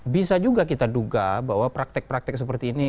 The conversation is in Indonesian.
bisa juga kita duga bahwa praktek praktek seperti ini